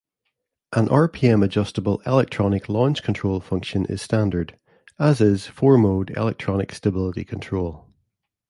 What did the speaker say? An rpm-adjustable electronic launch-control function is standard, as is four-mode electronic stability control.